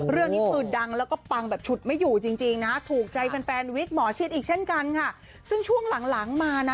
เรื่องนี้คือดังแล้วก็ปังแบบฉุดไม่อยู่จริงจริงนะถูกใจแฟนแฟนวิกหมอชิดอีกเช่นกันค่ะซึ่งช่วงหลังหลังมานะ